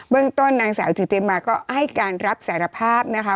เรื่องต้นนางสาวจิตติมาก็ให้การรับสารภาพนะคะ